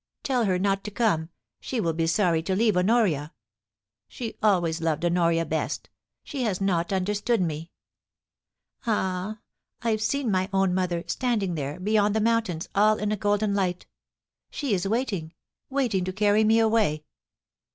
Tell her not to come — she will be sorry to leave Honoria. She always loved Honoria best; she has not understood me. Ah! I've seen my own mother, standing there, beyond the moun tains, all in the golden light She is waiting — waiting to carry me away.